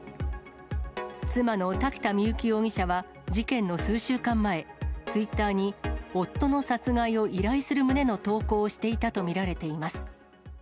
妻の滝田深雪容疑者は、事件の数週間前、ツイッターに夫の殺害を依頼する旨の投稿をしていたと見られています。